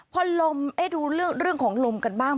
พอลมดูเรื่องของลมกันบ้าง